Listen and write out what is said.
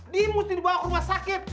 dia mesti dibawa ke rumah sakit